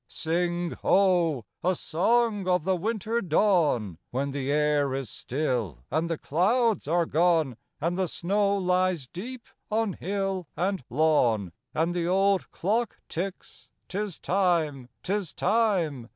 Sing, Ho, a song of the winter dawn, When the air is still and the clouds are gone, And the snow lies deep on hill and lawn, And the old clock ticks, "'Tis time! 'tis time!"